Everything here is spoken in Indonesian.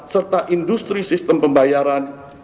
serta industri sistem pembayaran